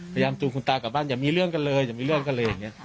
พยายามจูนคุณตากลับบ้านยักษ์มีเรื่องกันเลยอย่างเงี้ย